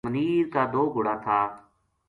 منیر کا دو گھوڑا تھا